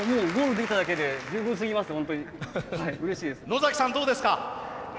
のざきさんどうですか？